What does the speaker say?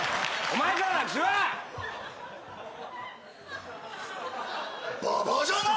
お前からだ！